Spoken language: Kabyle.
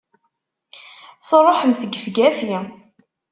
Truḥemt gefgafi!